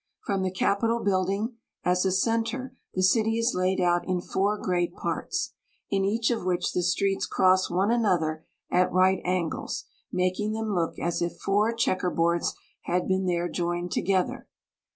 From the Capitol building as a center, the city is laid out in four great parts, in each of which the streets cross one another at right angles, making them look as if four checkerboards had been there joined together.